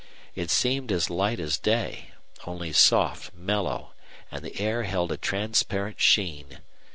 It seemed as light as day, only soft, mellow, and the air held a transparent sheen.